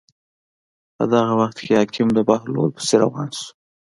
په دغه وخت کې حاکم د بهلول پسې روان شو.